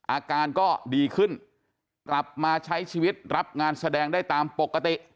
อาการก็ดีขึ้นกลับมาใช้ชีวิตรับงานแสดงได้ตามปกติ